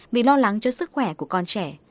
vì lo lắng cho sức khỏe của con trẻ